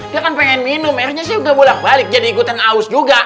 dia kan pengen minum airnya sih udah bolak balik jadi ikutan aus juga